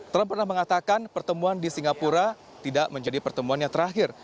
trump pernah mengatakan pertemuan di singapura tidak menjadi pertemuan yang terakhir